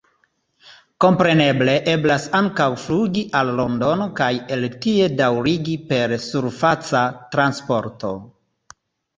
Kompreneble eblas ankaŭ flugi al Londono kaj el tie daŭrigi per surfaca transporto.